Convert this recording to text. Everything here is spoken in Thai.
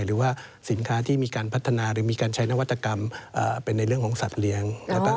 หรือว่าสินค้าที่มีการพัฒนาหรือมีการใช้นวัตกรรมเป็นในเรื่องของสัตว์เลี้ยง